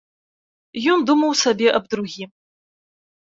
Ён думаў сабе аб другім.